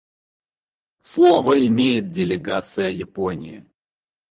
Слово имеет делегация Японии.